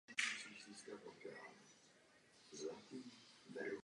Neudělal nic.